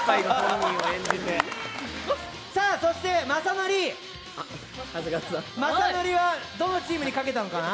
そして、雅紀はどのチームに賭けたのかな？